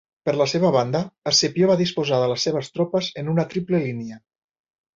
Per la seva banda, Escipió va disposar de les seves tropes en una triple línia.